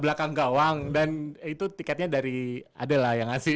belakang gawang dan itu tiketnya dari ada lah yang ngasih